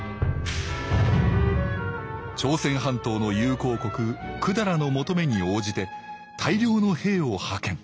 朝鮮半島の友好国百済の求めに応じて大量の兵を派遣。